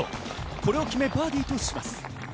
これを決めバーディーとします。